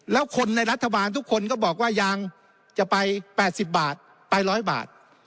แล้วคนในรัฐบาลทุกคนก็บอกว่ายางจะไป๘๐บาทไป๑๐๐บาท